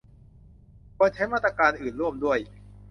ควรใช้มาตรการอื่นร่วมด้วย